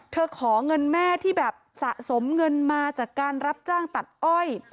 ขอเงินแม่ที่แบบสะสมเงินมาจากการรับจ้างตัดอ้อย